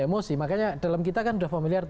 emosi makanya dalam kita kan sudah familiar